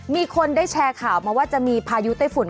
มีคนได้แชร์ข่าวมาว่าจะมีพายุไต้ฝุ่น